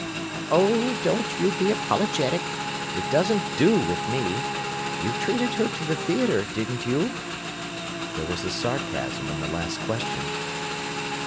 "Oh, don't you be apologetic! It doesn't do wi' me! You treated her to the theatre, didn't you?" There was a sarcasm in the last question.